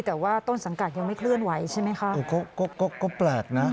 แต่ว่าต้นสังกัดยังไม่เคลื่อนไหวใช่ไหมครับ